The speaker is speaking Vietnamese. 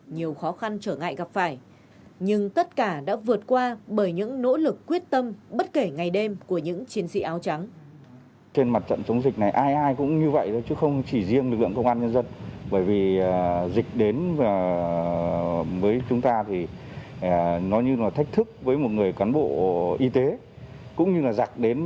nhiều khó khăn trở ngại gặp phải nhưng tất cả đã vượt qua bởi những nỗ lực quyết tâm bất kể ngày đêm của những chiến sĩ áo trắng